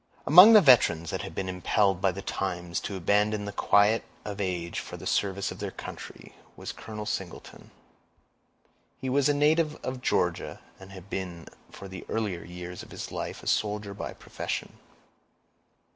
Among the veterans that had been impelled by the times to abandon the quiet of age for the service of their country, was Colonel Singleton. He was a native of Georgia, and had been for the earlier years of his life a soldier by profession.